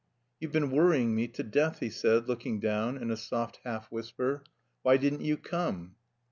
"You've been worrying me to death," he said, looking down, in a soft half whisper. "Why didn't you come?"